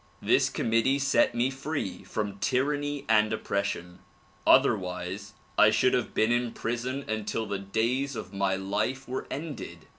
This committee set me free from tyranny and oppression ; otherwise I should have been in prison until the days of my life were ended.